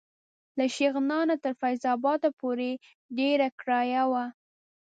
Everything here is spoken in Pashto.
له شغنان نه تر فیض اباد پورې ډېره کرایه وه.